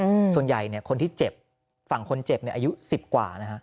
อืมส่วนใหญ่เนี้ยคนที่เจ็บฝั่งคนเจ็บเนี้ยอายุสิบกว่านะฮะ